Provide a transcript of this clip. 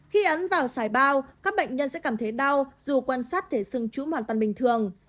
khi ấn vào xoài bao các bệnh nhân sẽ cảm thấy đau dù quan sát thể xương trú hoàn toàn bình thường